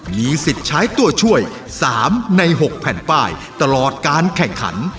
มีสิทธิ์ใช้ตัวช่วย๓ใน๖แผ่นป้ายตลอดการแข่งขัน